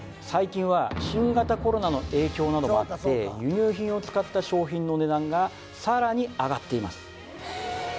最近は新型コロナの影響などもあって輸入品を使った商品の値段がさらに上がっています